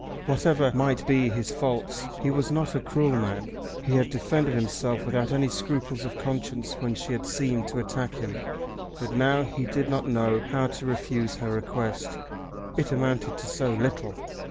Whatever might be his faults he was not a cruel man. He had defended himself without any scruples of conscience when she had seemed to attack him, but now he did not know how to refuse her request. It amounted to so little!